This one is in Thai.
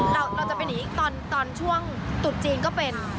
เราจะไปหนีอีกท่อนช่วงตุดจีนก็เป็น